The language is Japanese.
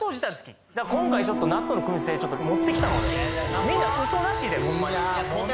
今回ちょっと納豆の燻製持ってきたのでみんなウソなしでほんまにいや本当？